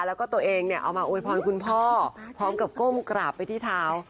แล้วก็ตัวเองเนี่ยเอามาอวยพรคุณพ่อพร้อมกับก้มกราบไปที่เท้า